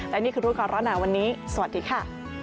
และนี่คือรู้ก่อนร้อนหนาวันนี้สวัสดีค่ะ